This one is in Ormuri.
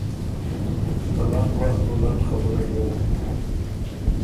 ته لنډ وخت بُو لنډ خبُرئ بېن،